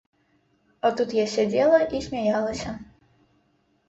А тут я сядзела і смяялася.